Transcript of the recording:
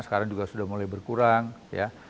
sekarang juga sudah mulai berkurang ya